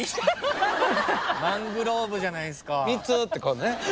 マングローブじゃないっすか。